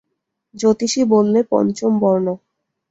জ্যোতিষী বললে, পঞ্চম বর্ণ।